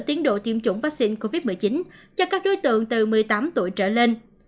tiến độ tiêm chủng vaccine covid một mươi chín cho các đối tượng từ một mươi tám tuổi trở lên